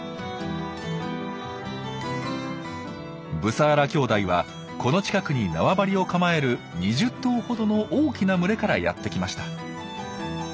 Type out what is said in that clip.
ブサーラ兄弟はこの近くに縄張りを構える２０頭ほどの大きな群れからやって来ました。